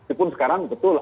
itu pun sekarang betul